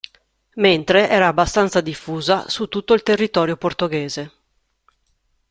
Mentre era abbastanza diffusa su tutto il territorio portoghese.